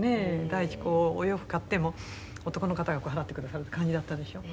第一こうお洋服を買っても男の方が払ってくださるって感じだったでしょ。